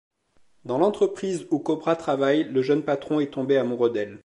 Dans l’entreprise où Cobra travaille, le jeune patron est tombé amoureux d’elle.